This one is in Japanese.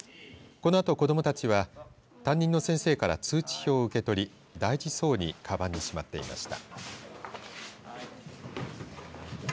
このあと子どもたちは担任の先生から通知表を受け取り大事そうにかばんにしまっていました。